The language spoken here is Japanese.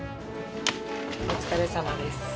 お疲れさまです。